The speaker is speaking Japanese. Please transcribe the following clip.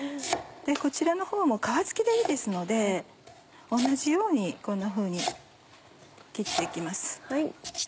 こちらのほうも皮付きでいいですので同じようにこんなふうに切って行きます。